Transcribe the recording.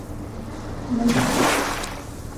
لەو دەچم؟